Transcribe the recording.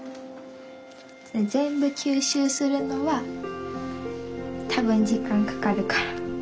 全部吸収するのは多分時間かかるから。